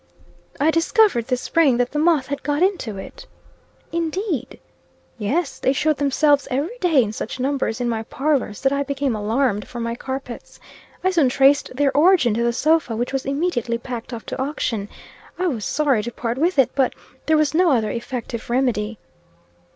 "I discovered, this spring, that the moth had got into it." "Indeed!" "Yes. They showed themselves, every day, in such numbers, in my parlors, that I became alarmed for my carpets. I soon traced their origin to the sofa, which was immediately packed off to auction. I was sorry to part with it; but, there was no other effective remedy."